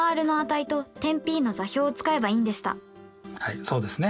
はいそうですね。